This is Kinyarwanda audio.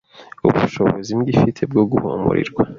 Ubushobozi imbwa ifite bwo guhumurirwa